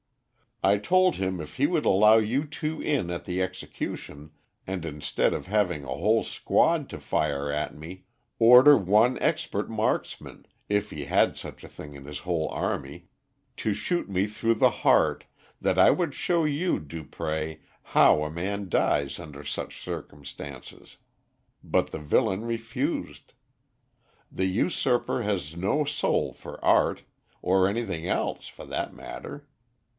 I told him if he would allow you two in at the execution, and instead of having a whole squad to fire at me, order one expert marksman, if he had such a thing in his whole army, to shoot me through the heart, that I would show you, Dupré, how a man dies under such circumstances, but the villain refused. The usurper has no soul for art, or anything else, for that matter.